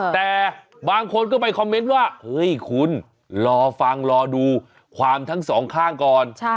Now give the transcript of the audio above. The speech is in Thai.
แต่บางคนก็ไปคอมเมนต์ว่าเฮ้ยคุณรอฟังรอดูความทั้งสองข้างก่อน